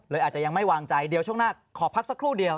อาจจะยังไม่วางใจเดี๋ยวช่วงหน้าขอพักสักครู่เดียว